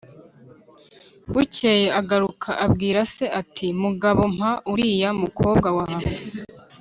bukeye aragaruka abwira se ati ‘mugabo mpa uriya mukobwa wawe’.